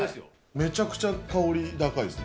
めちゃくちゃ香り高いですね。